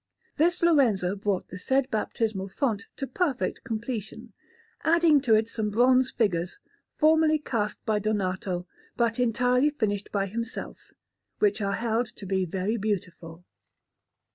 This Lorenzo brought the said baptismal font to perfect completion, adding to it some bronze figures, formerly cast by Donato but entirely finished by himself, which are held to be very beautiful.